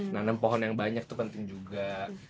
nanam pohon yang banyak itu penting juga